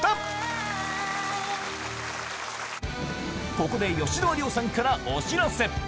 ここで吉沢亮さんからお知らせ